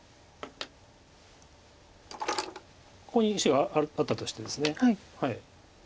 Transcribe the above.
ここに石があったとしてです。